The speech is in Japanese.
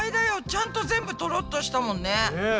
ちゃんと全部トロっとしたもんね。ね。